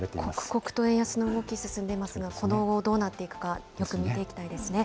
刻々と円安の動き、進んでいますが、この後、どうなっていくか、よく見ていきたいですね。